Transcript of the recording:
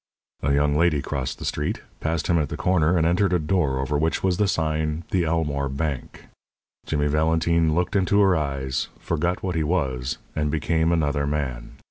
A young lady crossed the street, passed him at the corner and entered a door over which was the sign, "The Elmore Bank." Jimmy Valentine looked into her eyes, forgot what he was, and became another man.